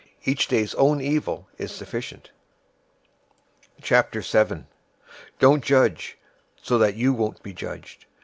Each day's own evil is sufficient. 007:001 "Don't judge, so that you won't be judged.